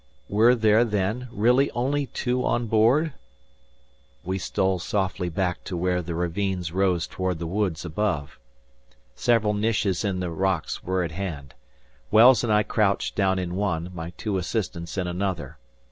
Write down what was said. Were there, then, really only two on board? We stole softly back to where the ravines rose toward the woods above. Several niches in the rocks were at hand. Wells and I crouched down in one, my two assistants in another.